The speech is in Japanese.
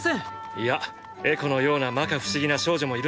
いやエコのような摩訶不思議な少女もいるんだ。